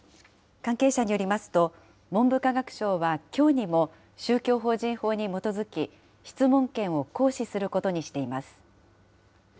関係者によりますと、文部科学省はきょうにも、宗教法人法に基づき、質問権を行使することにしています。